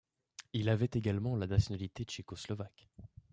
Il avait également la nationalité tchécoslovaque.